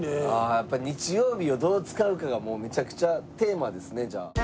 やっぱり日曜日をどう使うかがもうめちゃくちゃテーマですねじゃあ。